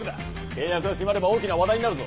契約が決まれば大きな話題になるぞ。